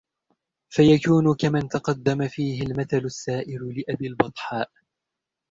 فَيَكُونُ كَمَنْ تَقَدَّمَ فِيهِ الْمَثَلُ السَّائِرُ لِأَبِي الْبَطْحَاءِ